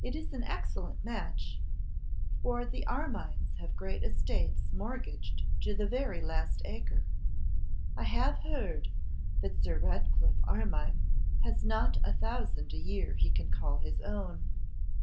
It is an excellent match, for the Armines have great estates, mortgaged to the very last acre. I have heard that Sir Ratcliffe Armine has not a thousand a year he can call his own.